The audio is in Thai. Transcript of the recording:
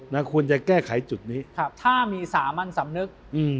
นักคุณจะแก้ไขจุดนี้ถ้ามีสามอันสำนึก